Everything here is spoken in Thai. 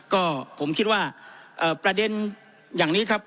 ก็ผมคิดว่าประเด็นอย่างนี้ครับ